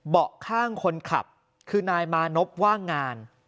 ข้างคนขับคือนายมานพว่างงาน